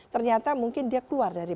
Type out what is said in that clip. ternyata mungkin dia keluar dari